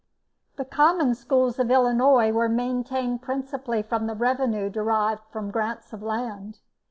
The Common Schools of Illinois were maintained principally from the revenue derived from grants of land.